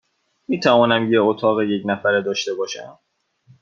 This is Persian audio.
می توانم یک اتاق یک نفره داشته باشم؟